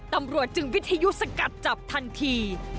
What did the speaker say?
ตำรวจจึงวิทยุสกัดจับทันที